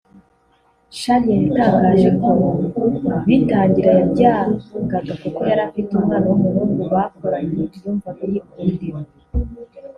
Chadia yatangaje ko bitangira yabyangaga kuko yari afite umwana w’umuhungu bakuranye yumvaga yikundira